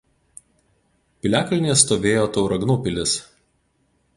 Piliakalnyje stovėjo Tauragnų pilis.